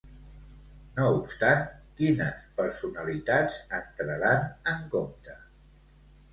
No obstant, quines personalitats entraran en compte?